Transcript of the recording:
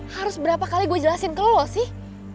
harus berapa kali gue jelasin ke lo sih